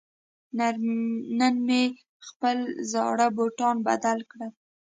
نن مې خپل زاړه بوټان بدل کړل.